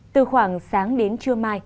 từ khoảng sáng đến trưa mai